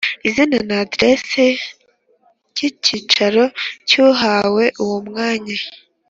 Izina na aderesi y icyicaro cy uwahawe uwo mwanya